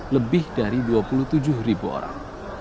lebih dari dua puluh tujuh ribu orang